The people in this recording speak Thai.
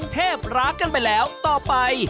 เทพรักกันไปแล้วต่อไป